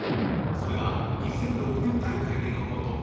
それは２００６年大会でのこと。